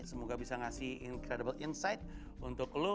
semoga bisa ngasih incredible insight untuk lo